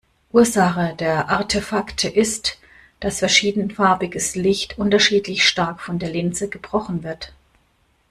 Ursache der Artefakte ist, dass verschiedenfarbiges Licht unterschiedlich stark von der Linse gebrochen wird.